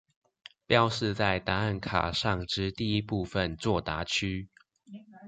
標示在答案卡上之第一部分答案區